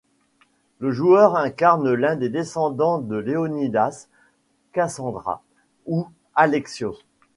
Le joueur incarne l'un des descendants de Léonidas, Kassandra ou Alexios.